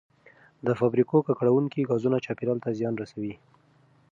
د فابریکو ککړونکي ګازونه چاپیریال ته زیان رسوي.